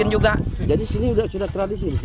jadi sini sudah tradisi